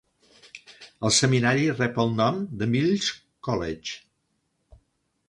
El seminari rep el nom de Mills College.